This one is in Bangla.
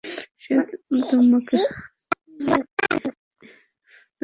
সে তো অনেক সুন্দর!